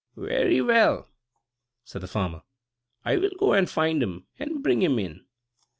"Very well," said the farmer; "I will go and find him, and bring him in."